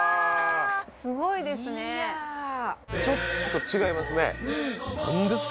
すごいですねいやちょっと違いますね何ですか？